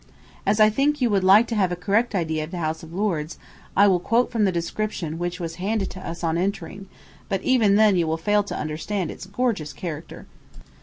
As I think you would like to have a correct idea of the House of Lords, I will quote from the description which was handed us on entering, but even then you will fail to understand its gorgeous character.